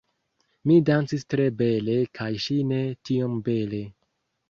Mi dancis tre bele kaj ŝi ne tiom bele